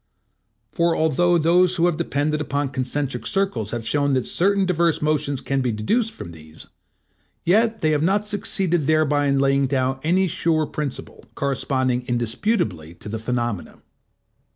For, although those who have depended upon concentric circles have shown that certain diverse motions can be deduced from these, yet they have not succeeded thereby in laying down any sure principle, corresponding indisputably to the phenomena.